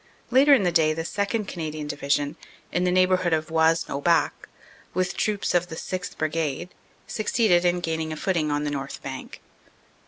Later in the day the 2nd. Canadian Division, in the neighborhood of Wasnes au Bac, with troops of the 6th. Brigade, succeeded in gaining a footing on the north bank.